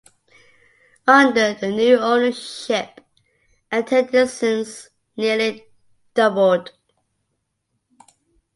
Under the new ownership, attendances nearly doubled.